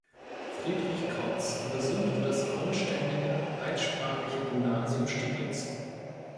Friedrich Kautz besuchte das grundständige altsprachliche Gymnasium Steglitz.